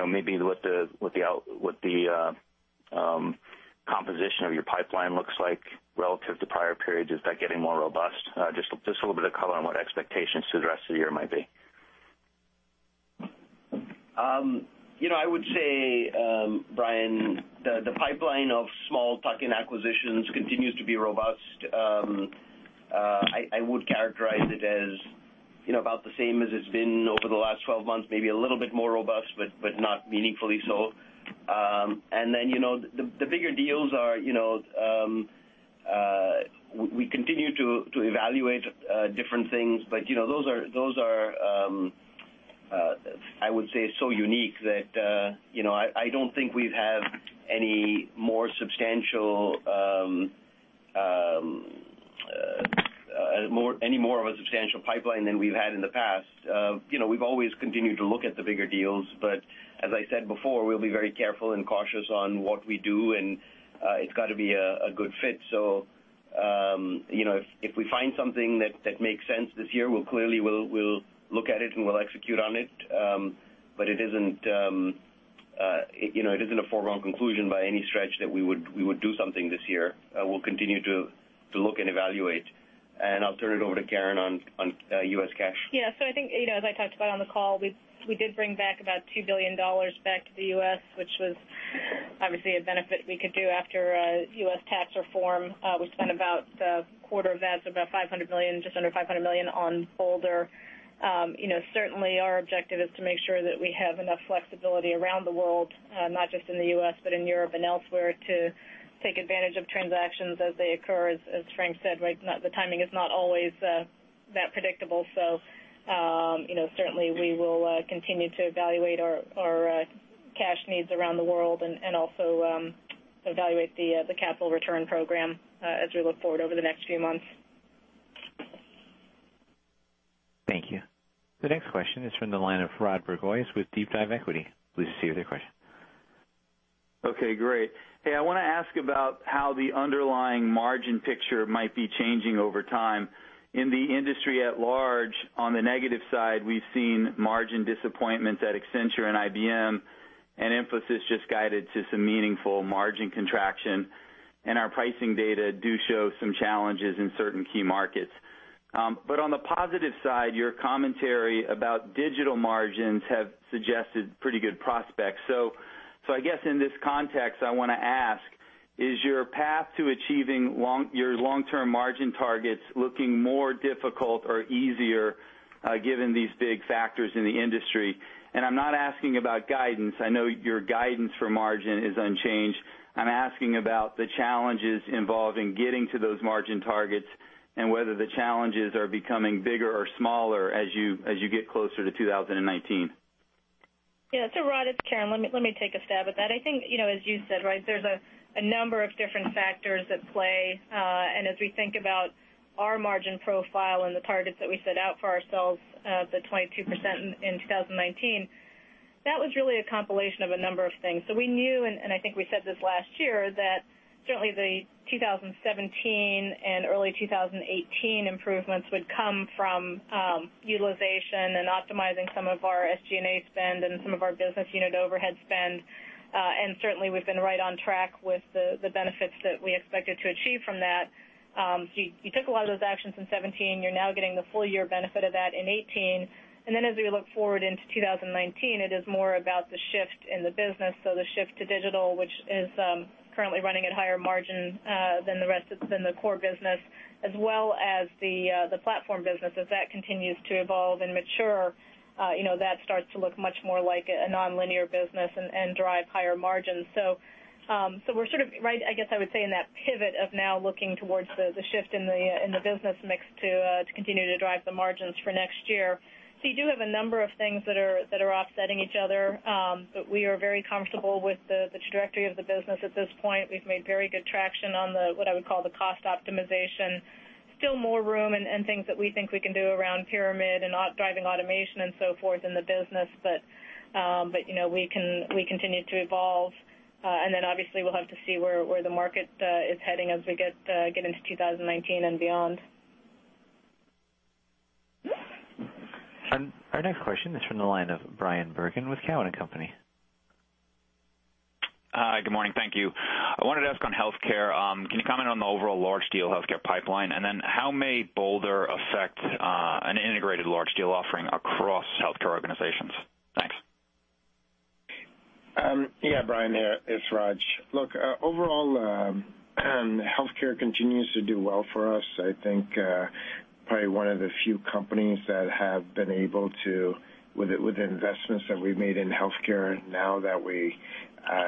maybe what the composition of your pipeline looks like relative to prior periods. Is that getting more robust? Just a little bit of color on what expectations through the rest of the year might be.
I would say, Brian, the pipeline of small tuck-in acquisitions continues to be robust. I would characterize it as about the same as it's been over the last 12 months, maybe a little bit more robust, but not meaningfully so. The bigger deals are, we continue to evaluate different things. Those are, I would say, so unique that I don't think we have any more of a substantial pipeline than we've had in the past. We've always continued to look at the bigger deals, but as I said before, we'll be very careful and cautious on what we do, and it's got to be a good fit. If we find something that makes sense this year, we'll look at it, and we'll execute on it. It isn't a foregone conclusion by any stretch that we would do something this year. We'll continue to look and evaluate. I'll turn it over to Karen on U.S. cash.
I think as I talked about on the call, we did bring back about $2 billion back to the U.S., which was obviously a benefit we could do after U.S. Tax Reform. We spent about a quarter of that, so about just under $500 million on Bolder. Certainly, our objective is to make sure that we have enough flexibility around the world, not just in the U.S. but in Europe and elsewhere, to take advantage of transactions as they occur. As Frank said, the timing is not always that predictable. Certainly we will continue to evaluate our cash needs around the world and also evaluate the capital return program as we look forward over the next few months.
Thank you. The next question is from the line of Rod Bourgeois with DeepDive Equity Research. Please proceed with your question.
I want to ask about how the underlying margin picture might be changing over time. In the industry at large, on the negative side, we've seen margin disappointments at Accenture and IBM, and Infosys just guided to some meaningful margin contraction. Our pricing data do show some challenges in certain key markets. On the positive side, your commentary about digital margins have suggested pretty good prospects. I guess in this context, I want to ask, is your path to achieving your long-term margin targets looking more difficult or easier given these big factors in the industry? I'm not asking about guidance. I know your guidance for margin is unchanged. I'm asking about the challenges involved in getting to those margin targets, and whether the challenges are becoming bigger or smaller as you get closer to 2019.
Rod, it's Karen. Let me take a stab at that. I think as you said, there's a number of different factors at play. As we think about our margin profile and the targets that we set out for ourselves, the 22% in 2019, that was really a compilation of a number of things. We knew, and I think we said this last year, that certainly the 2017 and early 2018 improvements would come from utilization and optimizing some of our SG&A spend and some of our business unit overhead spend. Certainly, we've been right on track with the benefits that we expected to achieve from that. You took a lot of those actions in 2017. You're now getting the full year benefit of that in 2018. As we look forward into 2019, it is more about the shift in the business. The shift to digital, which is currently running at higher margin than the rest that's in the core business, as well as the platform business as that continues to evolve and mature, that starts to look much more like a nonlinear business and drive higher margins. We're right, I guess I would say, in that pivot of now looking towards the shift in the business mix to continue to drive the margins for next year. You do have a number of things that are offsetting each other. We are very comfortable with the trajectory of the business at this point. We've made very good traction on the, what I would call the cost optimization. Still more room and things that we think we can do around Pyramid and driving automation and so forth in the business. We continue to evolve. Obviously, we'll have to see where the market is heading as we get into 2019 and beyond.
Our next question is from the line of Bryan Bergin with Cowen and Company.
Hi, good morning. Thank you. I wanted to ask on healthcare, can you comment on the overall large deal healthcare pipeline? How may Bolder affect an integrated large deal offering across healthcare organizations? Thanks.
Yeah, Brian, it's Raj. Look, overall, healthcare continues to do well for us. I think, probably one of the few companies that have been able to, with the investments that we've made in healthcare now that we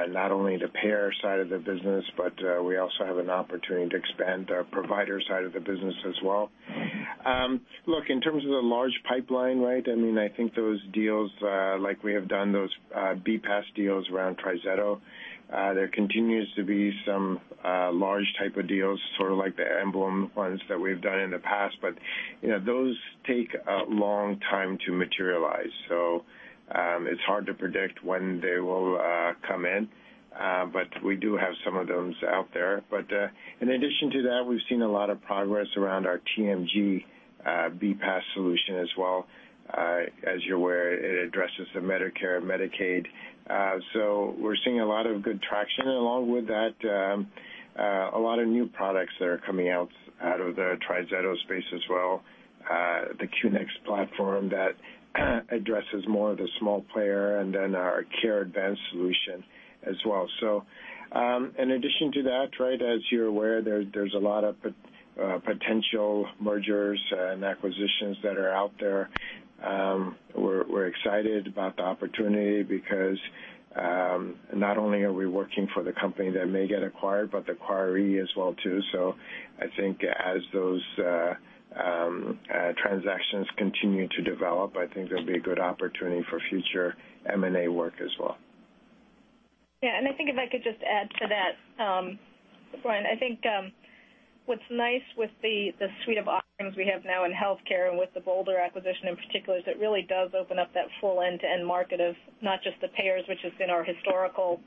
not only the payer side of the business, but we also have an opportunity to expand our provider side of the business as well. Look, in terms of the large pipeline, I think those deals, like we have done those BPaaS deals around TriZetto. There continues to be some large type of deals, sort of like the Emblem ones that we've done in the past. Those take a long time to materialize. It's hard to predict when they will come in. We do have some of those out there. In addition to that, we've seen a lot of progress around our TMG BPaaS solution as well. As you're aware, it addresses the Medicare, Medicaid. We're seeing a lot of good traction along with that. A lot of new products that are coming out of the TriZetto space as well. The QNXT platform that addresses more of the small player, and our CareAdvance solution as well. In addition to that, as you're aware, there's a lot of potential mergers and acquisitions that are out there. We're excited about the opportunity because, not only are we working for the company that may get acquired, but the acquiree as well too. I think as those transactions continue to develop, I think there'll be a good opportunity for future M&A work as well.
Yeah, I think if I could just add to that, Brian, I think what's nice with the suite of offerings we have now in healthcare and with the Bolder acquisition in particular is it really does open up that full end-to-end market of not just the payers, which has been our historical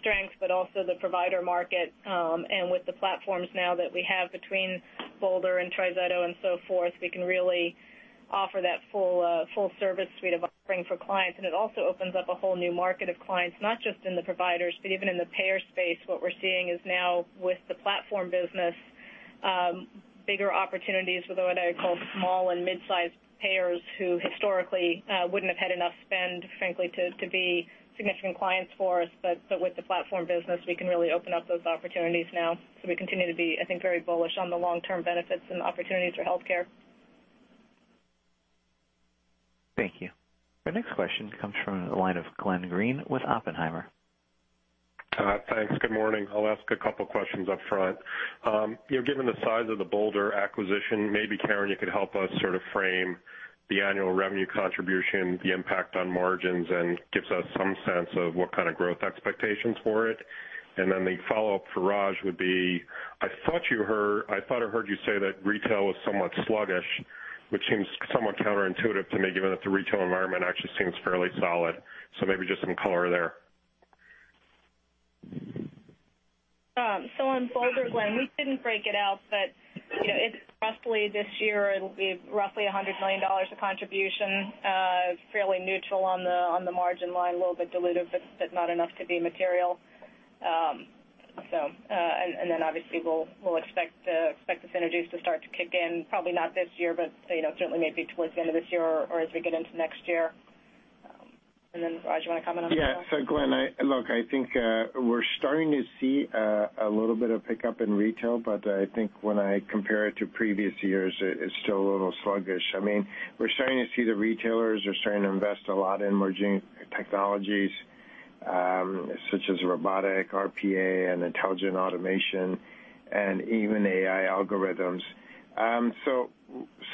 strength, but also the provider market. With the platforms now that we have between Bolder and TriZetto and so forth, we can really offer that full service suite of offering for clients. It also opens up a whole new market of clients, not just in the providers, but even in the payer space. What we're seeing is now with the platform business, bigger opportunities with what I call small and mid-size payers who historically wouldn't have had enough spend, frankly, to be significant clients for us. With the platform business, we can really open up those opportunities now. We continue to be, I think, very bullish on the long-term benefits and opportunities for healthcare.
Thank you. Our next question comes from the line of Glenn Greene with Oppenheimer.
Thanks. Good morning. I'll ask a couple questions up front. Given the size of the Bolder acquisition, maybe Karen, you could help us sort of frame the annual revenue contribution, the impact on margins, and gives us some sense of what kind of growth expectations for it. The follow-up for Raj would be, I thought I heard you say that retail was somewhat sluggish, which seems somewhat counterintuitive to me, given that the retail environment actually seems fairly solid. Maybe just some color there.
On Bolder, Glenn, we didn't break it out, but it's roughly this year, it'll be roughly $100 million of contribution. Fairly neutral on the margin line, a little bit dilutive, but not enough to be material. Obviously, we'll expect the synergies to start to kick in, probably not this year, but certainly maybe towards the end of this year or as we get into next year. Raj, you want to comment on that as well?
Glenn, look, I think we're starting to see a little bit of pickup in retail, but I think when I compare it to previous years, it's still a little sluggish. We're starting to see the retailers are starting to invest a lot in emerging technologies, such as robotic, RPA, and intelligent automation, and even AI algorithms.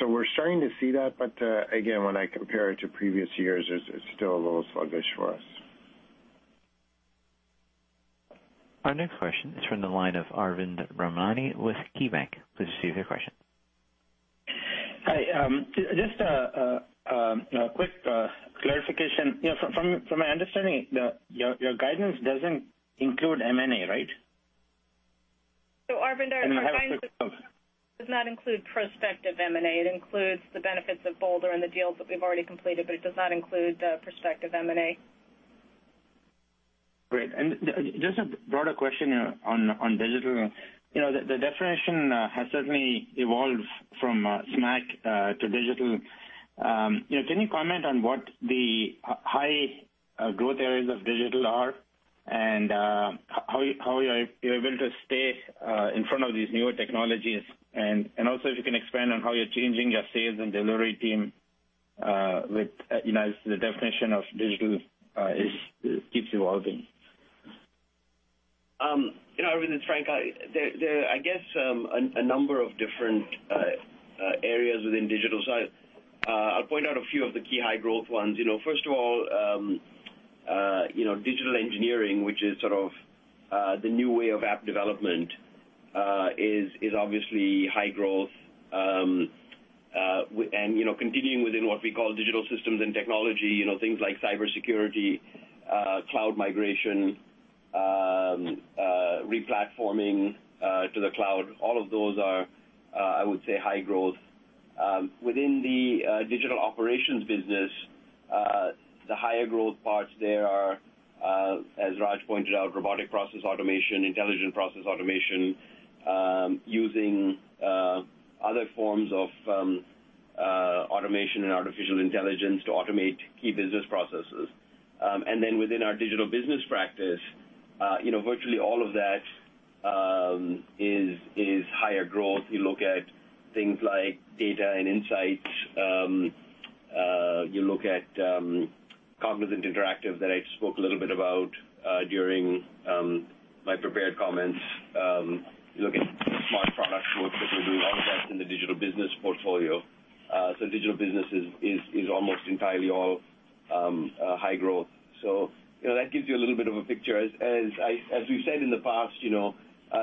We're starting to see that, but again, when I compare it to previous years, it's still a little sluggish for us.
Our next question is from the line of Arvind Ramnani with KeyBanc. Please proceed with your question.
Hi. Just a quick clarification. From my understanding, your guidance doesn't include M&A, right?
Arvind-
Then I have a quick comment
does not include prospective M&A. It includes the benefits of Bolder and the deals that we've already completed, but it does not include prospective M&A.
Great. Just a broader question on digital. The definition has certainly evolved from SMAC to digital. Can you comment on what the high growth areas of digital are and how you're able to stay in front of these newer technologies? Also, if you can expand on how you're changing your sales and delivery team as the definition of digital keeps evolving.
Arvind and Frank, there are, I guess, a number of different areas within digital. I'll point out a few of the key high growth ones. First of all, digital engineering, which is sort of the new way of app development, is obviously high growth. Continuing within what we call digital systems and technology, things like cybersecurity, cloud migration, re-platforming to the cloud, all of those are, I would say, high growth. Within the digital operations business, the higher growth parts there are, as Raj pointed out, robotic process automation, intelligent process automation, using other forms of automation and artificial intelligence to automate key business processes. Then within our digital business practice, virtually all of that is higher growth. You look at things like data and insights. You look at Cognizant Interactive that I spoke a little bit about during my prepared comments. You look at smart product work that we do, all that's in the digital business portfolio. Digital business is almost entirely all high growth. That gives you a little bit of a picture. As we've said in the past,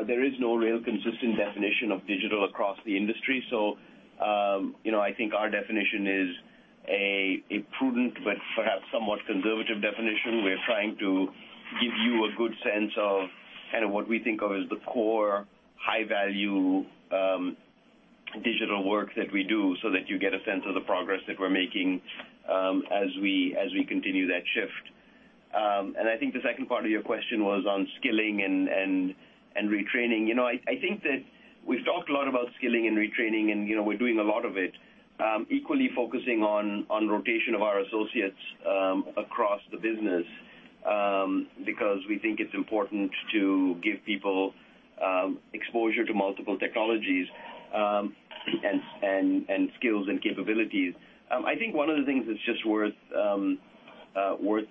there is no real consistent definition of digital across the industry. I think our definition is a prudent but perhaps somewhat conservative definition. We're trying to give you a good sense of what we think of as the core high-value digital work that we do so that you get a sense of the progress that we're making as we continue that shift. I think the second part of your question was on skilling and retraining. I think that we've talked a lot about skilling and retraining, and we're doing a lot of it, equally focusing on rotation of our associates across the business, because we think it's important to give people exposure to multiple technologies and skills and capabilities. I think one of the things that's just worth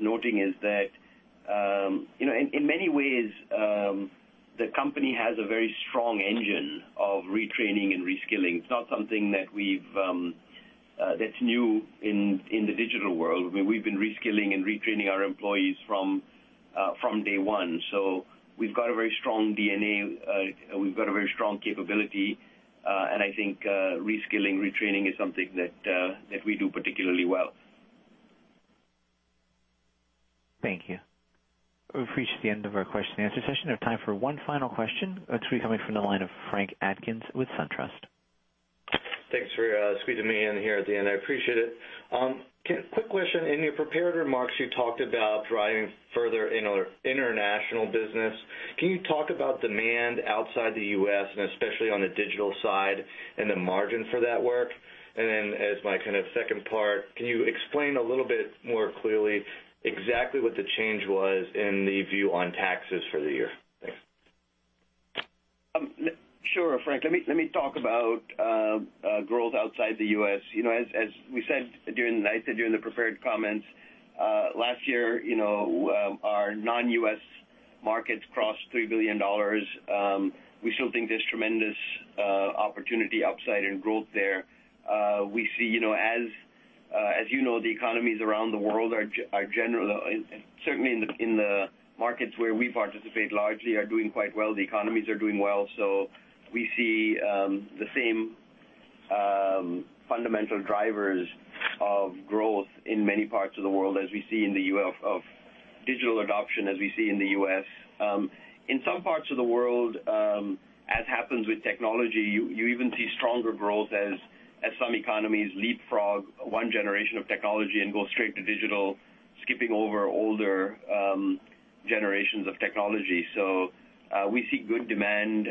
noting is that, in many ways, the company has a very strong engine of retraining and reskilling. It's not something that's new in the digital world. We've been reskilling and retraining our employees from day one. We've got a very strong DNA, we've got a very strong capability, and I think reskilling, retraining is something that we do particularly well.
Thank you. We've reached the end of our question and answer session. We have time for one final question. It's coming from the line of Frank Atkins with SunTrust.
Thanks for squeezing me in here at the end. I appreciate it. Quick question. In your prepared remarks, you talked about driving further international business. Can you talk about demand outside the U.S. and especially on the digital side and the margin for that work? As my kind of second part, can you explain a little bit more clearly exactly what the change was in the view on taxes for the year? Thanks.
Sure, Frank. Let me talk about growth outside the U.S. As I said during the prepared comments, last year, our non-U.S. markets crossed $3 billion. We still think there's tremendous opportunity upside and growth there. As you know, the economies around the world, certainly in the markets where we participate largely, are doing quite well. The economies are doing well. We see the same fundamental drivers of growth in many parts of the world as we see in the U.S., of digital adoption, as we see in the U.S. In some parts of the world, as happens with technology, you even see stronger growth as some economies leapfrog one generation of technology and go straight to digital, skipping over older generations of technology. We see good demand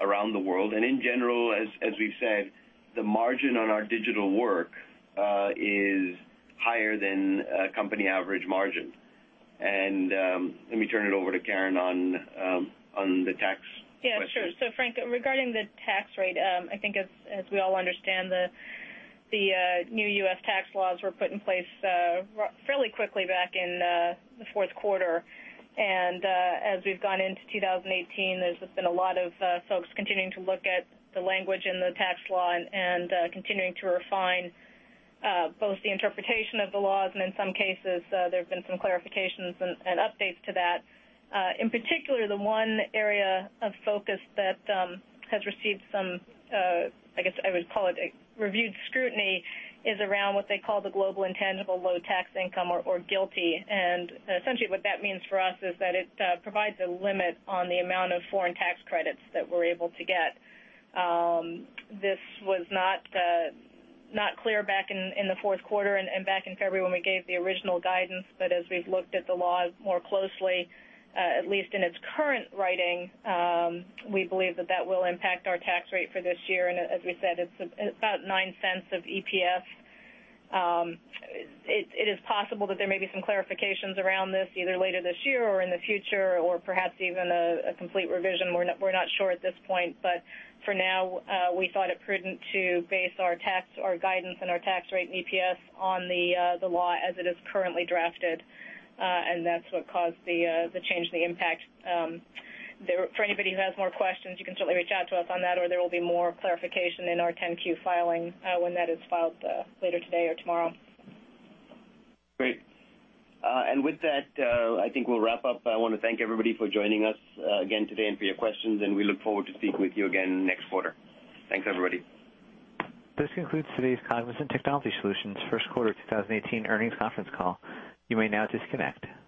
around the world. In general, as we've said, the margin on our digital work is higher than company average margin. Let me turn it over to Karen on the tax question.
Yeah, sure. Frank, regarding the tax rate, I think as we all understand, the new U.S. tax laws were put in place fairly quickly back in the fourth quarter. As we've gone into 2018, there's just been a lot of folks continuing to look at the language in the tax law and continuing to refine both the interpretation of the laws and in some cases, there have been some clarifications and updates to that. In particular, the one area of focus that has received some, I guess I would call it reviewed scrutiny, is around what they call the global intangible low-taxed income or GILTI. Essentially what that means for us is that it provides a limit on the amount of foreign tax credits that we're able to get. This was not clear back in the fourth quarter and back in February when we gave the original guidance. As we've looked at the laws more closely, at least in its current writing, we believe that that will impact our tax rate for this year. As we said, it's about $0.09 of EPS. It is possible that there may be some clarifications around this either later this year or in the future, or perhaps even a complete revision. We're not sure at this point, for now, we thought it prudent to base our guidance and our tax rate and EPS on the law as it is currently drafted, and that's what caused the change and the impact. For anybody who has more questions, you can certainly reach out to us on that, or there will be more clarification in our 10-Q filing when that is filed later today or tomorrow.
Great. With that, I think we'll wrap up. I want to thank everybody for joining us again today and for your questions, and we look forward to speaking with you again next quarter. Thanks, everybody.
This concludes today's Cognizant Technology Solutions First Quarter 2018 Earnings Conference Call. You may now disconnect.